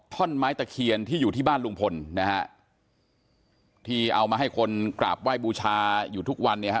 ท่อนไม้ตะเคียนที่อยู่ที่บ้านลุงพลนะฮะที่เอามาให้คนกราบไหว้บูชาอยู่ทุกวันเนี่ยฮะ